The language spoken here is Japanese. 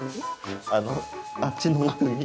あのあっちの奥に。